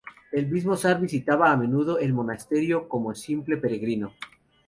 El mismo zar visitaba a menudo el monasterio como simple peregrino.